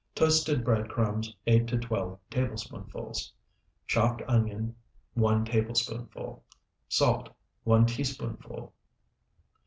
Toasted bread crumbs, 8 to 12 tablespoonfuls. Chopped onion, 1 tablespoonful. Salt, 1 teaspoonful.